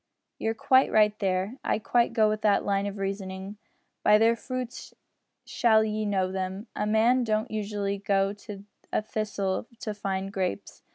"You're quite right there. I quite go with that line of reasoning. By their fruits shall ye know them. A man don't usually go to a thistle to find grapes.